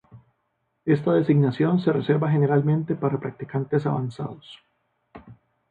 Esta designación se reserva generalmente para practicantes avanzados.